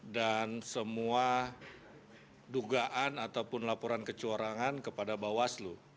dan semua dugaan ataupun laporan kecurangan kepada bawaslu